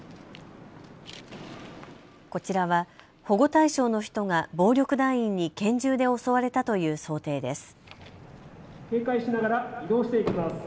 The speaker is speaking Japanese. こちらは保護対象の人が暴力団員に拳銃で襲われたという想定です。